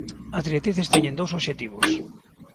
As directrices teñen dous obxectivos.